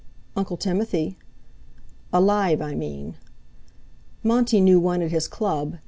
"Uncle Timothy." "Alive, I mean." "Monty knew one at his Club.